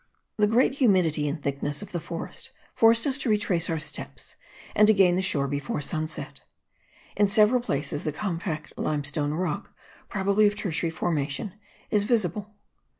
The great humidity and thickness of the forest forced us to retrace our steps and to gain the shore before sunset. In several places the compact limestone rock, probably of tertiary formation, is visible.